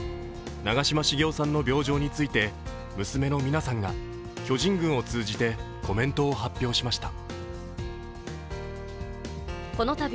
長嶋茂雄さんの病状について娘の三奈さんが巨人軍を通じてコメントを発表しました。